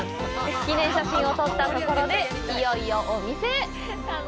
記念写真を撮ったところでいよいよお店へ。